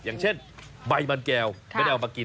อย่างเช่นใบมันแก้วไม่ได้เอามากิน